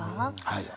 はい。